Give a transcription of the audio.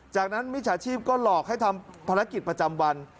จากนั้นมิจฉาชีพก็หลอกให้ทำภารกิจประจำวัน